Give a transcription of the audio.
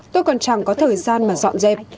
tôi còn chẳng có thời gian mà dọn dẹp